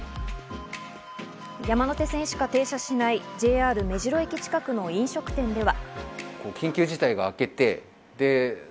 山手線しか停車しないＪＲ目白駅近くの飲食店では。